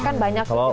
kan banyak gitu